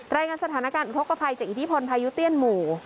รายงานสถานการณ์อุทธกภัยจากอิทธิพลพายุเตี้ยนหมู่